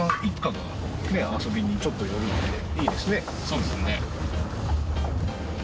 うんそうですね